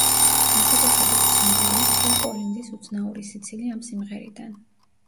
განსაკუთრებით ცნობილია ფილ კოლინზის უცნაური სიცილი ამ სიმღერიდან.